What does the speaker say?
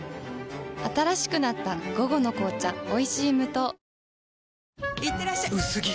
新しくなった「午後の紅茶おいしい無糖」いってらっしゃ薄着！